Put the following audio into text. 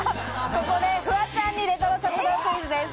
ここでフワちゃんにレトロ食堂クイズです。